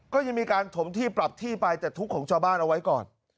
ก็ยังมีการถมที่ปรับที่ไปแต่ทุกข์ของชาวบ้านเอาไว้ก่อน